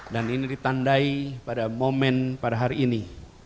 dan ini ditandai pada momen pada hari ini